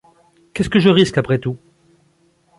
Qu’est-ce que je risque, après tout ?